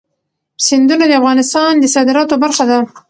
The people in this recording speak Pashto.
سیندونه د افغانستان د صادراتو برخه ده.